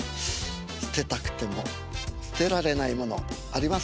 捨てたくても捨てられないもの。ありますねえ。